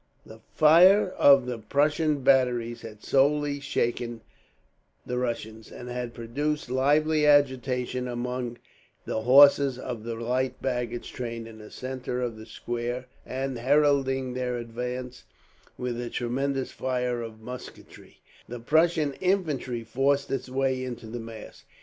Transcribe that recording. The fire of the Prussian batteries had sorely shaken the Russians, and had produced lively agitation among the horses of the light baggage train in the centre of the square; and, heralding their advance with a tremendous fire of musketry, the Prussian infantry forced its way into the mass.